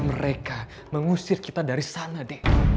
mereka mengusir kita dari sana deh